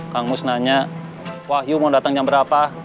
kang ngus nanya wahyu mau datang jam berapa